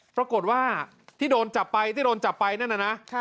ปรากฏว่าที่โดนจับไปที่โดนจับไปนั่นน่ะนะ